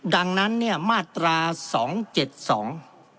ดังนั้นเนี้ยมาตราสองเจ็ดสอง